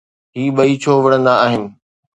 هي ٻئي ڇو وڙهندا آهن؟